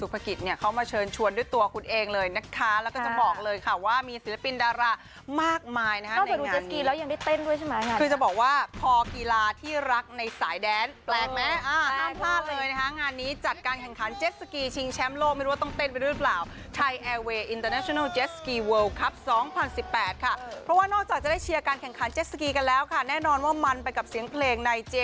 เพราะว่านอกจากจะได้เชียร์ต้องการแข่งขั้นกันแล้วคะแน่นอนว่ามันไปกับเสียงเพลงในเจ